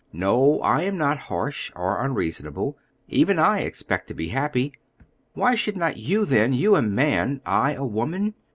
No, I am not harsh or unreasonable; even I expect to be happy. Why should not you, then, you, a man; I, a woman?